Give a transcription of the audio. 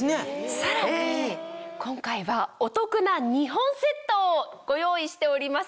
さらに今回はお得な２本セットをご用意しております。